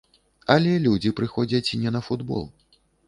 Але людзі прыходзяць не на футбол.